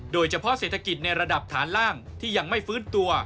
โดยเฉพาะเศรษฐกิจในระดับฐานล่างที่ยังไม่ฟื้นตัว